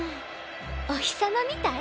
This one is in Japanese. お日様みたい？